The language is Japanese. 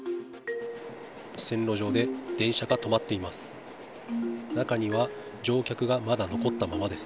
線路上で電車が止まっています。